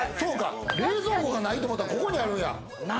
冷蔵庫がないと思ったら、ここにあるんや！